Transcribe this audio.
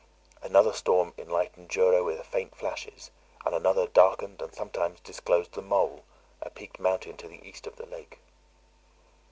Another storm enlightened Jura with faint flashes; and another darkened and sometimes disclosed the Môle, a peaked mountain to the east of the lake.